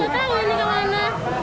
nggak tau ini kemana